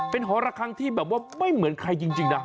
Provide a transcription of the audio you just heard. เป็นหอระคังที่แบบว่าไม่เหมือนใครจริงนะ